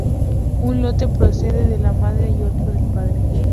Un lote procede de la madre y otro del padre.